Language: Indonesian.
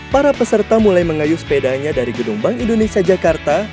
para peserta mulai mengayuh sepedanya dari gedung bank indonesia jakarta